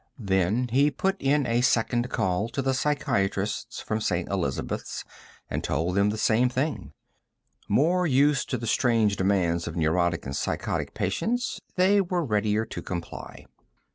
Then he put in a second call to the psychiatrists from St. Elizabeths and told them the same thing. More used to the strange demands of neurotic and psychotic patients, they were readier to comply.